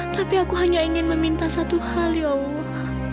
tapi aku hanya ingin meminta satu hal ya allah